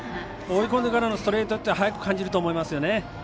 追い込んでからのストレートって速く感じると思います。